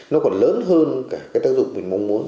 nó còn lớn hơn cả cái tác dụng mình mong muốn